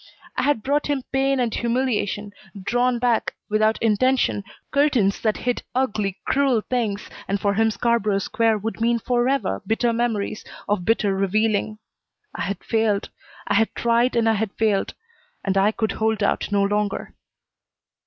I had brought him pain and humiliation, drawn back, without intention, curtains that hid ugly, cruel things, and for him Scarborough Square would mean forever bitter memories of bitter revealing. I had failed. I had tried, and I had failed, and I could hold out no longer.